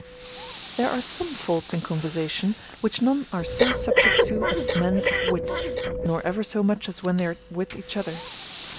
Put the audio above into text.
There are some faults in conversation, which none are so subject to as the men of wit, nor ever so much as when they are with each other.